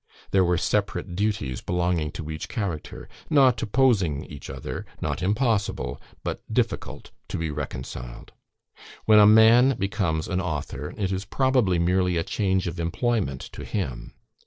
There were separate duties belonging to each character not opposing each other; not impossible, but difficult to be reconciled. When a man becomes an author, it is probably merely a change of employment to him.